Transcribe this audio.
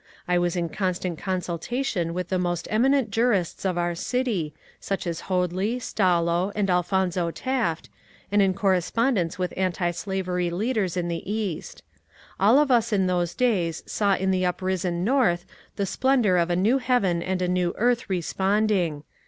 I was in constant consulta tion with the most eminent jurists of our city, such as Hoadly, Stallo, and Alphonzo Taft, and in correspondence with anti * slavery leaders in the East. All of us in those days saw in the uprisen North the splendour of a new heaven and a new earth responding.